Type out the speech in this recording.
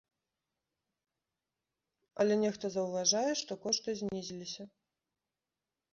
Але нехта заўважае, што кошты знізіліся.